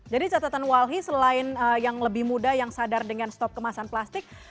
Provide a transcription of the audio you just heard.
jadi catatan walhi selain yang lebih muda yang sadar dengan stop kemasan plastik